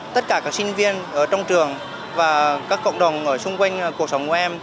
tất cả các sinh viên ở trong trường và các cộng đồng ở xung quanh cuộc sống của em